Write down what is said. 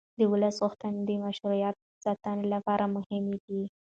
د ولس غوښتنې د مشروعیت ساتنې لپاره مهمې دي